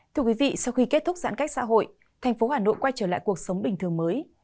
thưa quý vị sau khi kết thúc giãn cách xã hội thành phố hà nội quay trở lại cuộc sống bình thường mới